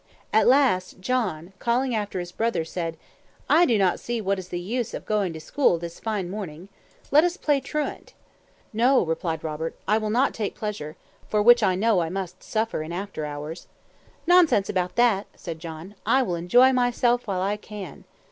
At last, John, calling after his brother, said, "I do not see what is the use of going to school this fine morning; let us play truant." "No," replied Robert; "I will not take pleasure, for which I know I must suffer in after hours." "Nonsense about that," said John; "I will enjoy myself while I can."